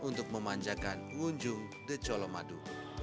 untuk memanjakan unjung the jolomadu